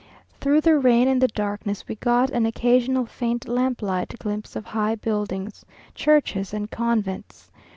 Through the rain and the darkness we got an occasional faint lamp light glimpse of high buildings, churches, and convents.